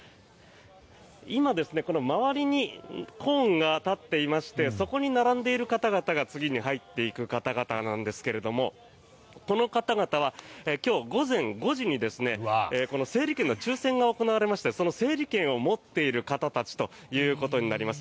今、周りにコーンが立っていましてそこに並んでいる方々が次に入っていく方々なんですがこの方々は今日午前５時に整理券の抽選が行われましてその整理券を持っている方たちということになります。